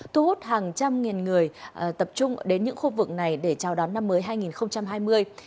thu hút hàng trăm nghìn người tập trung đến những khu vực này để chào đón năm mới hai nghìn hai mươi